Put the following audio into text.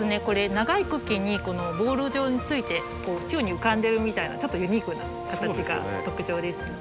これ長い茎にこのボール状について宙に浮かんでるみたいなちょっとユニークな形が特徴です。